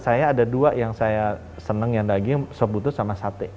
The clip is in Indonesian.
saya ada dua yang saya senang yang daging sop butuh sama sate